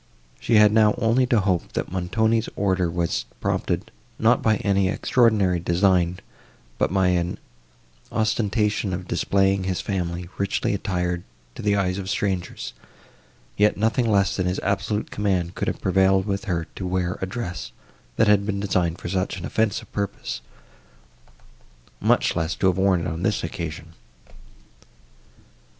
She had now only to hope, that Montoni's order was prompted, not by any extraordinary design, but by an ostentation of displaying his family, richly attired, to the eyes of strangers; yet nothing less than his absolute command could have prevailed with her to wear a dress, that had been designed for such an offensive purpose, much less to have worn it on this occasion.